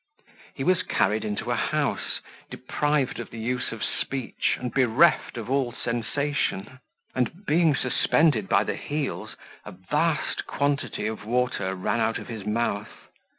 He was carried into a house, deprived of the use of speech, and bereft of all sensation; and, being suspended by the heels, a vast quantity of water ran out of his mouth.